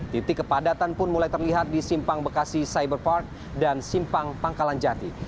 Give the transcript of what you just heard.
titik kepadatan pun mulai terlihat di simpang bekasi cyber park dan simpang pangkalan jati